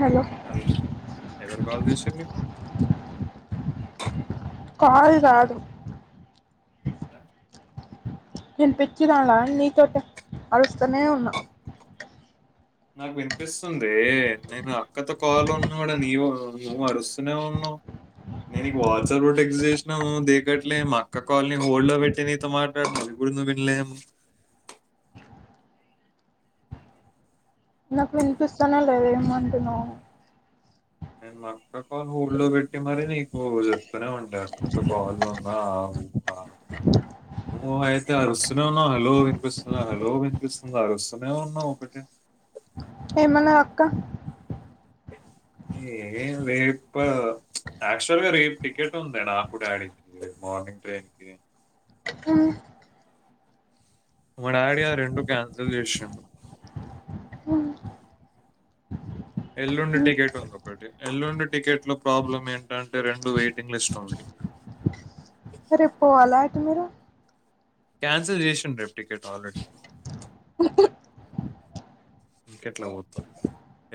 లో ఎవరు కాల్ చేసిరు నీకు కాల్ గాదు నేన్ పెచ్చిదానా నీతోటె అరుస్తనే ఉన్నా నాకు వినిపిస్తుందే నేను అక్కతో కాలు ఉన్నా కూడా నీవు నువ్వు అరుస్తూనే ఉన్నావ్ నేను వాట్సాప్ లో టెక్ట్స్ చేసినా నూ దేకట్లే మా అక్క కాల్ ని హోల్డ్ లో పెట్టి నీతో మాట్లాడద ఇప్పుడ్ నువిడ్లేం నాక్ వినిపిస్తనే లేదేమంటున్నవొ నెన్ మా అక్క కాల్ హోల్డ్ లో బెట్ మరి నీకూ చెప్తనే ఉండ కత్త కాళ్ళ్లొ ఉన్నా [inaudible] నువూఐతె అరుస్ నవు హలో వినిపిస్తుందా హలో వినిపిస్తుందా అరస్సనే ఉన్నావ్ ఒకటే ఏమన్నద్ అక్క ఏ వేప్పా యాక్చువల్ గా రేప్ టికెట్ ఉంది నాకు డాడి కి మార్నింగ్ ట్రైన్ కి కా మా డాడీ ఆ రెండు కాన్సల్ చేసిండు ఎల్లుండి టికెట్ ఉంది ఒకట్టి ఎల్లుండి టికెట్ లో ప్రాబ్లం ఏంటంటే రెండు వెయిటింగ్ లిస్ట్ ఉంది రే పోవాలా అయితే మీరు క్యాన్సల్ చేషిండ్ రేప్ టికెట్ ఆల్రెడ్ కేట్లా ఒత్తం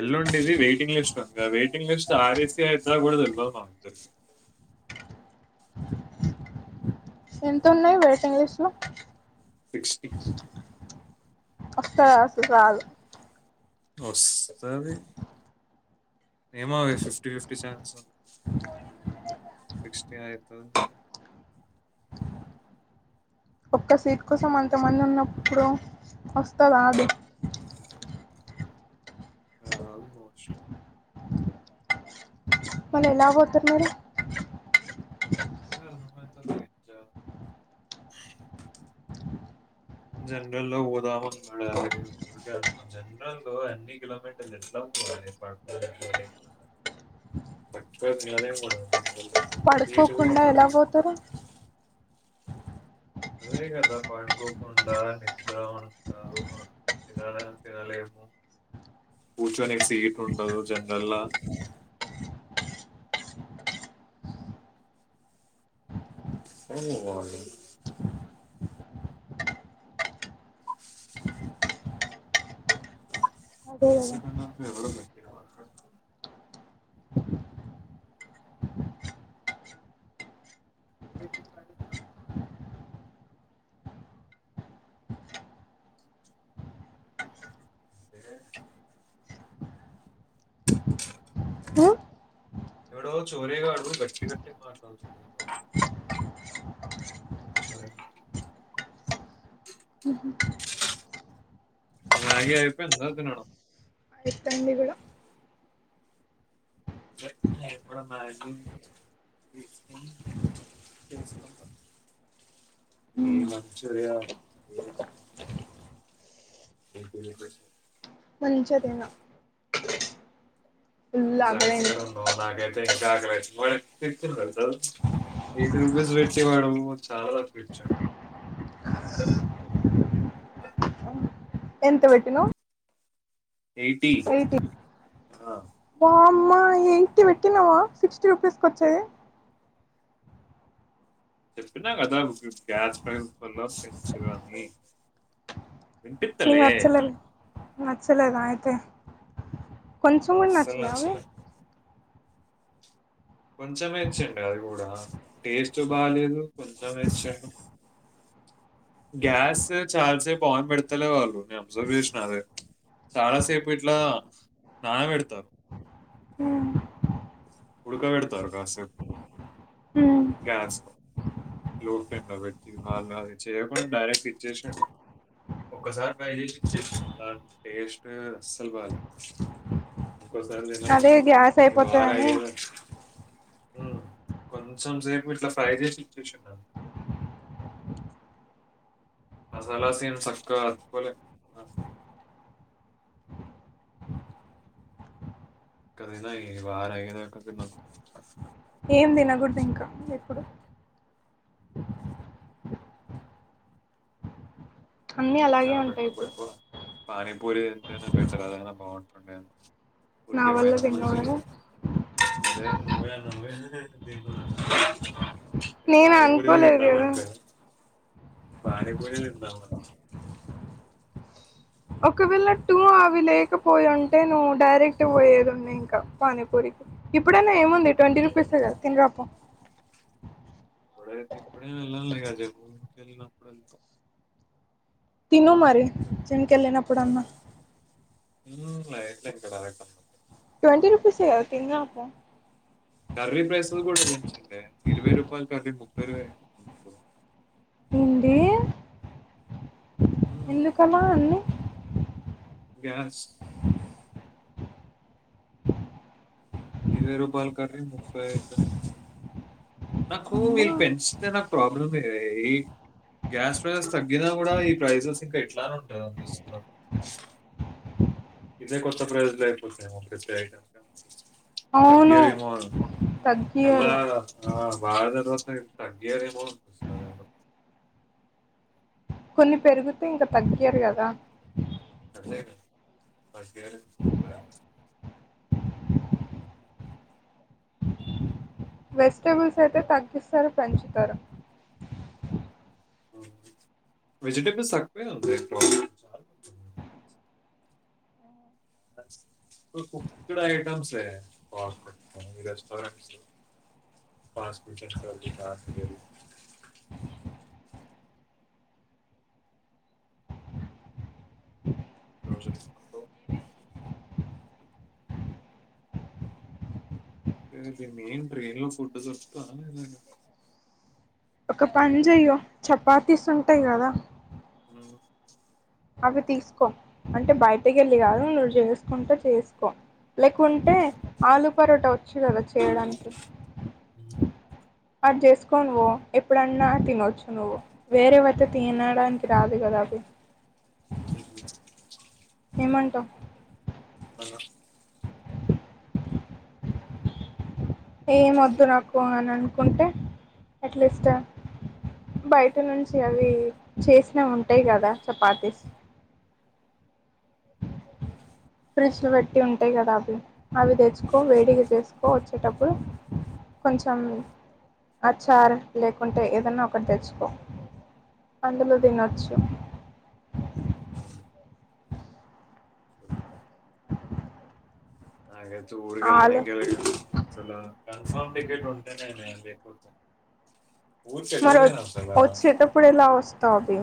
ఎల్ండిది వెయిటింగ్ లిస్ట్ ఉంగా వెయిటింగ్ లిస్ట్ ఆరెస్సి అజెద్ కూడా తెలువద్ మాక్ ఎంతున్నాయ్ వేటింగ్ లిష్ లో సిక్స్టీ ఒస్తదా సురాదు ఒస్తది ఏమో ఫిఫ్టీ ఫిఫ్టీ చాన్స్ సిక్స్టీ అయితే ఒక్క సీట్ కోసం అంతమంది ఉన్నప్పుడు ఒస్తదా అది ఆల్ మోచ్ మలి ఎలా పోతర్ మరి జనరల్ లో ఓదామం అనుకున్నామరి జనరల్ అన్ని కిలోమీటర్లు ఎట్లా [unintelligible] సీటు కూడా పడుకోకుండా ఎలా ఉండదు పోతరు అదే గదా పడుకోకుండా నిద్ర ఉండదు [inaudible] తీనలేము కూర్చొనిక్ సీట్లు ఉండవు జండ్రళ్ళ అదే కదా అంతకన్నా ఎవరు గట్టిగా మాట్లాడుతున్నారు ఉమ్ ఎవడో చొరేగాడు గట్టి గట్టిగా మాట్లాడుతు జరక్ ఇందాకే అయిపోయిందా తినడం దాన్ని కూడా ఎక్కడున్నావ్ తెలుసుకో తెలుసుకుంటాం ఏం వచ్చాయో ఏంటి నీకు మంచిదేనా ఆకలైంది సాక్స్టైడ్ ఉన్నావు నాకైతే ఇంకా ఆకలావుతుంది ఏటీ రూపీస్ పెడితే మేడమ్ చాలా బాగా బోళ్ల సౌండ్ ఎంత పెట్టినవ్ ఎయిటీ ఏమిటి ఆ, బా అమ్మ ఏటీ పెట్టినావా సిక్స్టీ రూపీస్కి వచ్చేది చెప్పినా కదా మీ గ్యాస్ పైల పెంచరు అని నీకు వినిపిస్తలే నచ్చలేదు నచ్చలేదా అయితే కొంచెం కూడా నచ్చలే అవే కొంచమే చెప్పాడు కూడా టేస్ట్ బాలేదు కొంచమే చెప్పాడు డోర్ సౌండ్ గ్యాస్ చాలా సేపు ఆన్లో పెడతలేరు వాళ్ళును అబ్జర్వ్ చేసిన చాలాసేపు ఇట్లా నాన పెడతారు ఉడుకా పెడతారు కాసేపు గ్యాస్ లో లో ఫేమ్ లో పెట్టి వాళ్లు చెయ కూడా డైరెక్ట్ ఇచ్చేసా ఒసారి ట్రై ఇచ్చేసింది టేస్ట్ అస్సలు బాలే ఒక్కసారి అదే గ్యాస్ అయిపోతుందని ఊ కొంత కొంచం సేపు ఇట్లా ఫ్రై చేసేసి ఇచ్చేసిండు మసాలసీన్ చక్కగా అతుక్కోలే కదినా ఈవారం అయినంక తినొచ్చు ఏం తినకూడదు ఇంకా ఎప్పుడు అన్నిఅలాగే ఉంటాయి ఇప్పుడు పనీపూరి ఏంట బెటర్ అదైనా బాగుంటుంది కుడు నా పోయ వల్ల మనుష తినకూడదు నువ్వే నువ్వే అదే నేను అనుకోలేదు కదా పానీపూరి తిందామా ఒకవేళ టూ అవి లేకపోయి ఉంటే నువ్వు డైరెక్ట్ పోయేదిండి ఇంకా పానీపూరికి ఇప్పుడైనా ఏముంది ట్వంటీ అనుకో. రూపీస్కద తిని రాపో ఎప్పుడైనా వెళ్లాలి కదా టెంపుల్ కు తను మరి జిమ్ము కు వెళ్ళినప్పుడు ఉ ఎట్లా ఎక్కుతారు ట్వెంటీ రుపీస్ గా తిని రాపో కర్రీ ప్రైస్లు కూడా ఉంచండి ఇరవై రూపాయలు కర్రీ ముప్పై హింది ఎందుకమా అన్నీ గ్యాస్ డోర్ సౌండ్ రూపాయల కర్రీ అయితది నాకు అమ్మా వీళ్ళు పెంచి నాకు ప్రాబ్లం ఇయి గ్యాస్ ప్రైసెస్ తగ్గినా కూడా ఈ ప్రైసెస్ ఇంకా ఎట్లానే ఉంటది అనిపిస్తుంది ఇదే కొస్తా ప్రైజులు అయిపోతాయి ప్రతి ఐటమ్ అవును తగ్గియరేమో ఎలా తగ్గియరు ఆ బాధనె తగ్గియరేమో [unintelligible] కొన్ని పెరుగుతే ఇంక తగ్గియరు కదా [inaudible] వెజిటబుల్స్ అయితే తగ్గిస్తారు, పెంచుతారు వెజిటేబుల్స్ [unintelligible] కుక్డ్ ఐటమ్సే బాంటాయ్ రెస్టారెంట్స్ [unintelligible] [inaudible] అది మెయిన్ ట్రైన్ లో ఫుడ్ దొరుకుతా [unintelligible] ఒక పని చెయ్యో చపాతీసుంటాయి కదా మ్మ్ అవి తీసుకో అంటే బయటకెళ్ళి కాదు నువ్వు చేసుకుంటే చేసుకో లేకుంటే ఆలు పరోటా వచ్చు కదా చేయడానికి నీకు అది చేసుకొనివో ఎప్పుడన్నా తినొచ్చు నువ్వు వేరేవైతే తినడానికి రాదు కదా అ ఏమంటావ్ అ ఏం వద్దు నాకు అని అనుకుంటే అట్లీస్ట్ బయట నుంచి అవి చేసినవి ఉంటాయి కదా చపాతీస్ ఫ్రిడ్జ్లు పెట్టి ఉంటాయి కదా అవి అవి తెచ్చుకో, వేడిగా చేసుకోవచ్చు [unintelligible] కొంచెం ఆ చార్ లేకుంటే ఏదన్నా ఒకటి తెచ్చుకో అందులో తినొచ్చు అ మ్మ్ ఆలు [unintelligible] కన్ఫమ్ టికెటు [unintelligible] మరి వచ్చేటప్పుడు ఎలా వస్తావే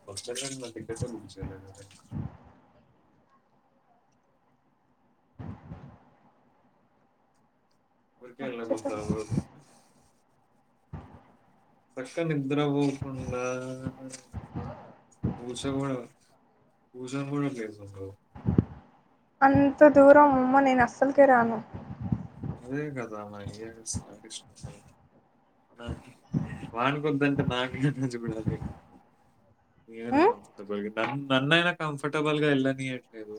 వచ్చేటప్పుడు [inaudible] వచ్చేటప్పుడు [unintelligible] చక్క నిద్ర పోకుండా పూస కూడా పూస కూడా [unintelligible] అంత దూరం అమ్మో నేను అస్సలుకే రాను అదే కదా మరి [inaudible] ఆ వాని కొద్దంటే నాకు [unintelligible] నేనైనా ఉమ్ కంఫర్టబుల్ న నన్నైనా కంఫర్టబుల్ గా వెళ్ళనీయట్లేదు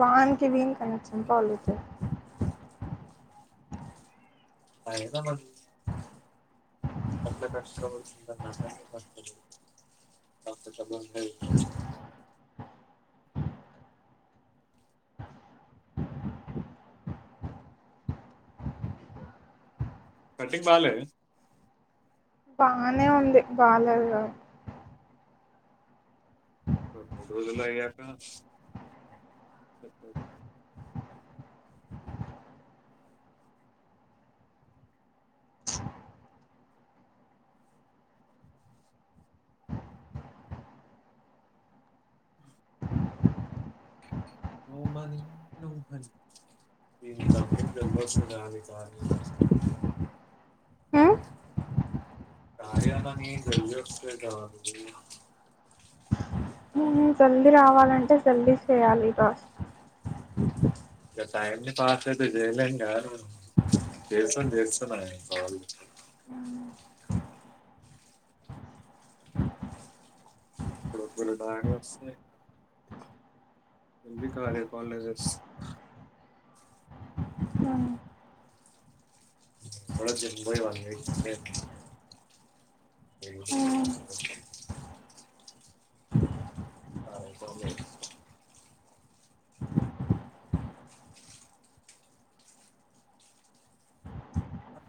వాన్కి, వీనికి అని [inaudible] అయితన్న [inaudible] [inaudible] పెట్టించాల్లె బాగనే ఉంది బాలేదు [inaudible] [inaudible] [unintelligible] కార్య అన్నది [inaudible] జల్దీ రావాలంటే జల్దీ చేయాలి టాస్కులు ఈ టైమ్ ని పాస్ అయితే చేయలేమ్ కదా చేస్తన్న చేస్తన్న [unintelligible] [unintelligible] ఎబ్లి కాాలి కాలేజెస్ ఉమ్ బబయి వా [unintelligible] తె ఉమ్ [unintelligible] ఆల్ఫాబెట్స్ అ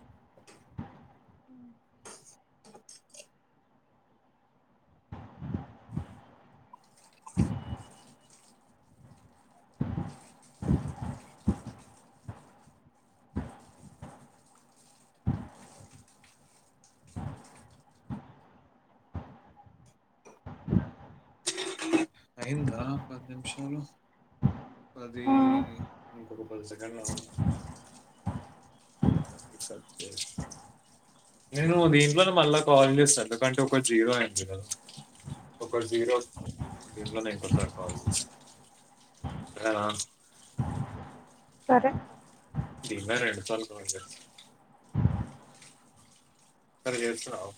అయింద పద్ నిమిషాలు పది ఉమ్, ఇంకొక పది సెకండ్ అవుంది స సే [inaudible] నేను దీంట్లోనే మళ్ళా కాల్ చేస్తాను ఎందుకంటే ఒక జీరో అంది కదా ఒకటి జిరో ఇట్లనే ఐతది [unintelligible] ఆ సరే ఇన్న రెండు సార్లు కాల్ చేశా సరే ఏడుస్తున్నా వ్